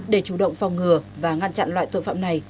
để chủ động phòng ngừa và ngăn chặn loại tội phạm này